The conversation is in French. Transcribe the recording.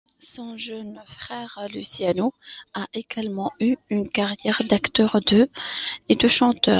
Son jeune frère Luciano a également eu une carrière d'acteur et de chanteur.